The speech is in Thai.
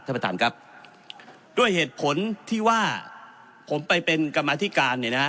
ท่านประธานครับด้วยเหตุผลที่ว่าผมไปเป็นกรรมาธิการเนี่ยนะฮะ